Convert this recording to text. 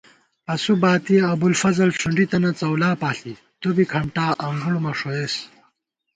اسُو باتِیَہ ابُوالفضل ݭُنڈی تنہ څؤلا پاݪی، تُو بی کھمٹا انگُوڑ مہ ݭوئیس